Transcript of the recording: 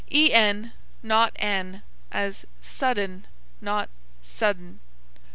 en, not n, as sudden, not suddn.